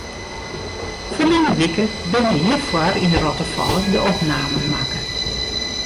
Ferline wike binne hjirfoar yn Rottefalle de opnamen makke.